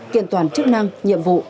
kiện toàn chức năng nhiệm vụ